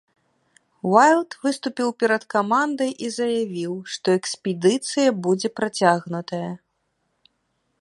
Уайлд выступіў перад камандай і заявіў, што экспедыцыя будзе працягнутая.